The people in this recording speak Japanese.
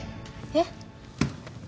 えっ？